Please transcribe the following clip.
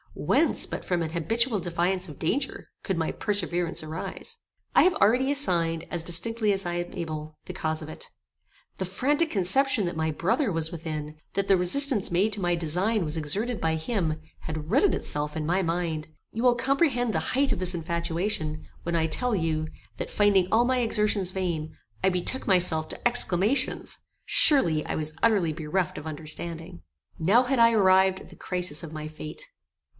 Whence, but from an habitual defiance of danger, could my perseverance arise? I have already assigned, as distinctly as I am able, the cause of it. The frantic conception that my brother was within, that the resistance made to my design was exerted by him, had rooted itself in my mind. You will comprehend the height of this infatuation, when I tell you, that, finding all my exertions vain, I betook myself to exclamations. Surely I was utterly bereft of understanding. Now had I arrived at the crisis of my fate.